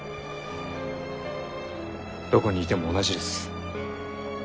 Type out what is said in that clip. どこにいても同じです。